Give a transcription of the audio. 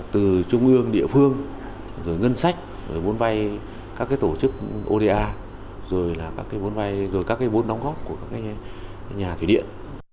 từ trung ương địa phương rồi ngân sách rồi bốn vai các tổ chức oda rồi các bốn đóng góp của nhà thủy điện